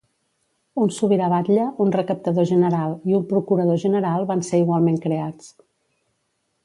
Un sobirà batlle, un recaptador general i un procurador general van ser igualment creats.